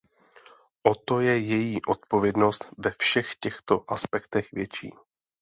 O to je její odpovědnost ve všech těchto aspektech větší.